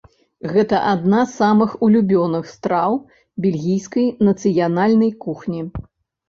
Гэта адна з самых улюбёных страў бельгійскай нацыянальнай кухні.